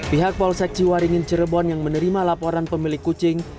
pihak polsek ciwaringin cirebon yang menerima laporan pemilik kucing